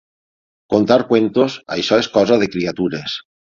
Contar qüentos? Això és cosa de criatures.